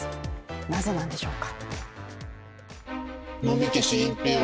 なぜなんでしょうか。